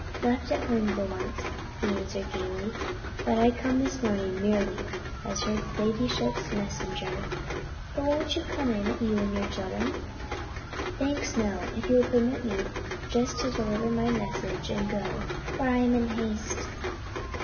"Left at home for once," he answered gayly, "but I come this morning merely as her ladyship's messenger." "But won't you come in; you and the children?" "Thanks, no, if you will permit me just to deliver my message and go; for I am in haste."